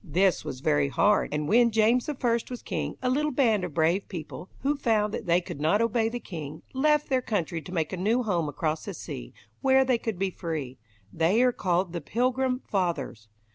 This was very hard, and when James I was king, a little band of brave people, who found that they could not obey the king, left their country to make a new home across the sea, where they could be free. They are called the "Pilgrim Fathers".